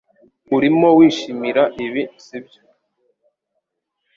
Urimo wishimira ibi sibyo